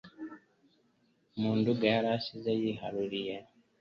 mu Nduga yari asize yigaruriye.